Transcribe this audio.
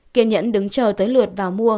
kiên nhẫn đứng chờ tới lượt vào mua